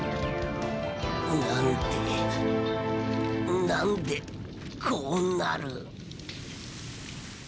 なんでなんでこうなる。